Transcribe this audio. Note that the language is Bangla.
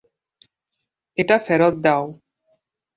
এটা ফেরত দাও!